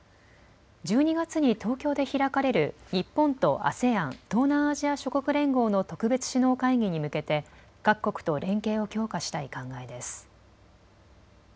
１２月に東京で開かれる日本とＡＳＥＡＮ・東南アジア諸国連合の特別首脳会議に向けて各国と連携を強化したい考えです。